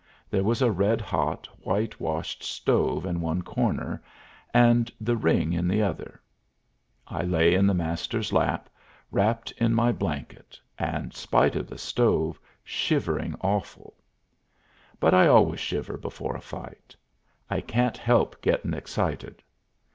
There was a red hot whitewashed stove in one corner, and the ring in the other. I lay in the Master's lap, wrapped in my blanket, and, spite of the stove, shivering awful; but I always shiver before a fight: I can't help gettin' excited.